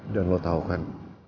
dan lo tau kan